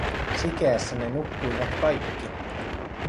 Sikeässä ne nukkuivat kaikki.